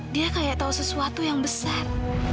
dia kayak tau sesuatu yang besar